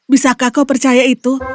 bisakah kau percaya itu